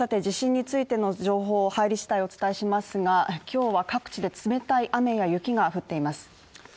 地震についての情報、入りしだいお伝えしますが今日は各地で冷たい雨や雪が降っています。